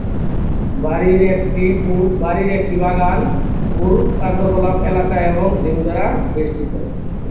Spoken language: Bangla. বাড়ির একটি বাগান, পুল, কার্যকলাপ এলাকা এবং জিম দ্বারা বেষ্টিত।